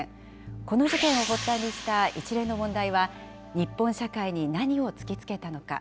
この事件を発端にした一連の問題は、日本社会に何を突きつけたのか。